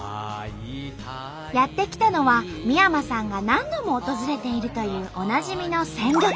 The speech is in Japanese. やって来たのは三山さんが何度も訪れているというおなじみの鮮魚店。